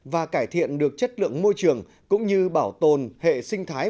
và cải thiện được chất lượng môi trường cũng như bảo tồn hệ sinh thái